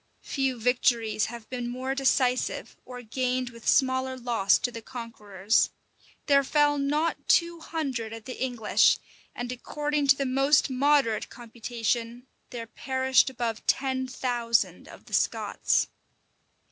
Few victories have been more decisive, or gained with smaller loss to the conquerors. There fell not two hundred of the English; and according to the most moderate computation, there perished above ten thousand of the Scots.